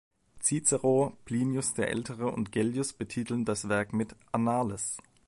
Cicero, Plinius der Ältere und Gellius betiteln das Werk mit "annales".